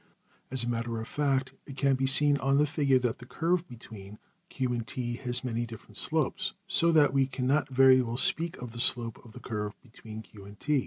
As a matter of fact, it can be seen on the figure that the curve between $Q$ and~$T$ has many different slopes, so that we cannot very well speak of\Pagelabel{slope} the slope of the curve between $Q$ and~$T$.